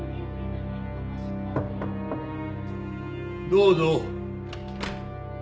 どうぞ。